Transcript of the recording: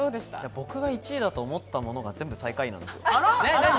僕が１位だと思ったものが全部最下位なんですよ。